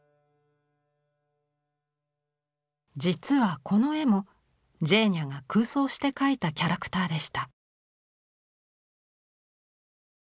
実はこの絵もジェーニャが空想して描いたキャラクターでした。